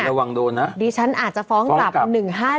ระวังโดนนะดิฉันอาจจะฟ้องกลับ๑๕๗